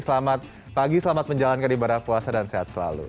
selamat pagi selamat menjalankan ibadah puasa dan sehat selalu